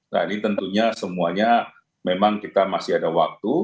nah ini tentunya semuanya memang kita masih ada waktu